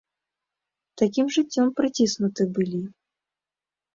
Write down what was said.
Такім жыццём прыціснуты былі.